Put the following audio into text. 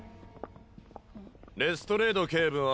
レストレード警部は？